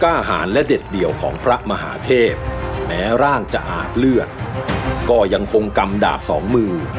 อาหารและเด็ดเดี่ยวของพระมหาเทพแม้ร่างจะอาบเลือดก็ยังคงกำดาบสองมือ